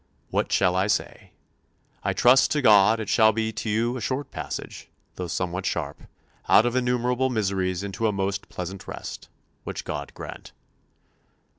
What shall I say? I trust to God it shall be to you a short passage (though somewhat sharp) out of innumerable miseries into a most pleasant rest which God grant."